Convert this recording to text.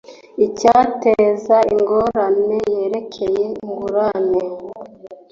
Icyateza ingorane yerekeye ingurane